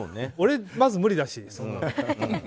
俺まず無理だし。